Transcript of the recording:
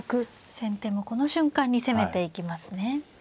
先手もこの瞬間に攻めていきますね。